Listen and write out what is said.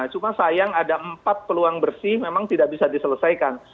cuma sayang ada empat peluang bersih memang tidak bisa diselesaikan